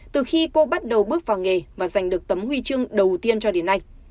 từ khi cô bắt đầu bước vào nghề và giành được tấm huy chương đầu tiên cho đến nay